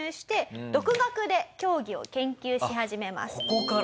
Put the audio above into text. ここから。